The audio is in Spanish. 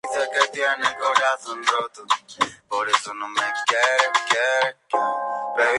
Ursa disfruta la vida en el bosque.